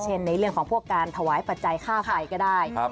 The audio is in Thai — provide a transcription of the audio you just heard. ในเรื่องของพวกการถวายปัจจัยค่าไฟก็ได้